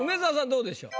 どうでしょう？